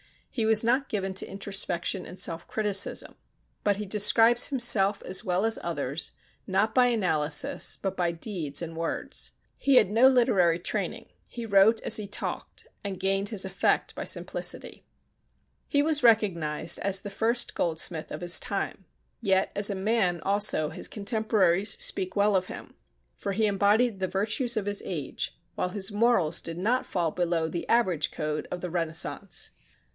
He was not given to introspection and self criticism, but he describes himself as well as others, not by analysis but by deeds and words. He had no literary training; he wrote as he talked, and gained his effect by simplicity. He was recognized as the first goldsmith of his time; yet as a man also his contemporaries speak well of him, for he embodied the virtues of his age, while his morals did not fall below the average code of the Renaissance.